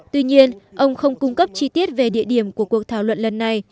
tuy nhiên ông không cung cấp chi tiết về địa điểm của cuộc thảo luận lần này